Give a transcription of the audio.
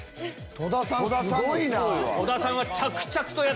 戸田さん